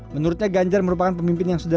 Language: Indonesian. menurutnya ganjar merupakan pemimpin yang sederhana